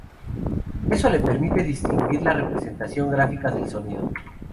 Eso le permite distinguir la representación gráfica del sonido.